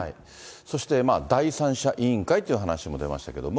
そしてまあ、第三者委員会という話も出ましたけれども。